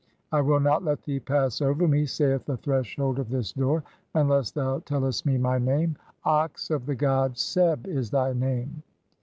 'I will not let thee pass over me,' saith the thres hold of this door, 'unless thou tellest [me] my name'; 'Ox of "the god Seb' is thy name.